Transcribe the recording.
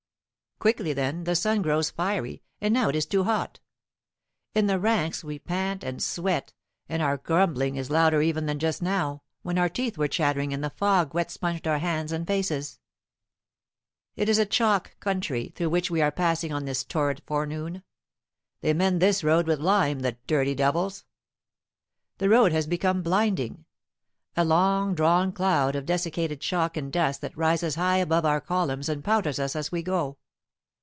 Quickly, then, the sun grows fiery, and now it is too hot. In the ranks we pant and sweat, and our grumbling is louder even than just now, when our teeth were chattering and the fog wet sponged our hands and faces. It is a chalk country through which we are passing on this torrid forenoon "They mend this road with lime, the dirty devils!" The road has become blinding a long drawn cloud of dessicated chalk and dust that rises high above our columns and powders us as we go.